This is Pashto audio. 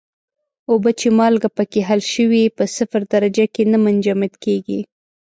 اوبه چې مالګه پکې حل شوې په صفر درجه کې نه منجمد کیږي.